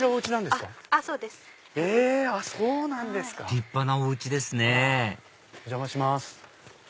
立派なお家ですねお邪魔します。